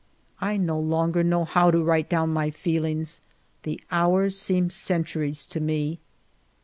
I no longer know how to write down my feel ings ; the hours seem centuries to me.